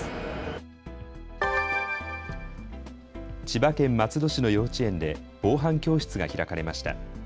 千葉県松戸市の幼稚園で防犯教室が開かれました。